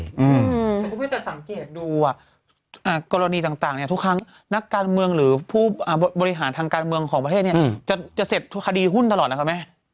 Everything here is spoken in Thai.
คุณผู้ชมจะสังเกตดูกรณีต่างเนี่ยทุกครั้งนักการเมืองหรือผู้บริหารทางการเมืองของประเทศเนี่ยจะเสร็จคดีหุ้นตลอดนะคะแม่